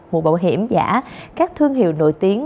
mũ bảo hiểm giả các thương hiệu nổi tiếng